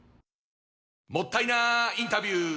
もったいなインタビュー！